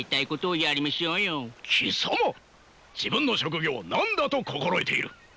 貴様自分の職業を何だと心得ている！